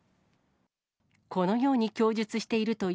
このように供述しているとい